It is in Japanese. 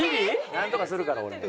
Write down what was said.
なんとかするから俺も。